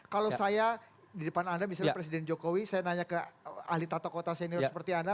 kalau saya di depan anda misalnya presiden jokowi saya nanya ke ahli tata kota senior seperti anda